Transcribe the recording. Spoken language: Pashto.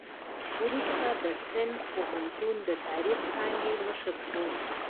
وروسته د سند پوهنتون د تاریخ څانګې مشر شو.